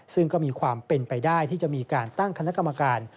ซึ่งก็มีความเป็นไปได้ที่จะมีการตั้งคณะกรรมการ